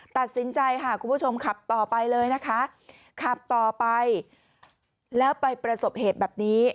ตัดสินใจค่ะคุณผู้ชมขับต่อไปเลยนะคะขับต่อไปแล้วไปประสบเหตุแบบนี้